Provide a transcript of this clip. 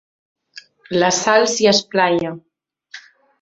La Sal s'hi esplaia.